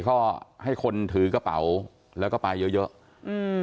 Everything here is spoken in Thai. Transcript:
ก็ให้คนถือกระเป๋าแล้วก็ไปเยอะเยอะอืม